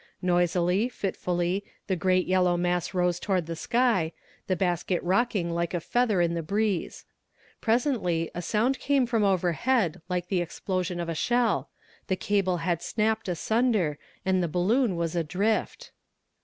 Noisily, fitfully, the great yellow mass rose toward the sky, the basket rocking like a feather in the breeze. Presently a sound came from overhead like the explosion of a shell the cable had snapped asunder, and the balloon was adrift.